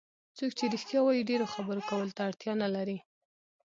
څوک چې رښتیا وایي ډېرو خبرو کولو ته اړتیا نه لري.